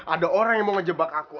ada orang yang mau ngejebak aku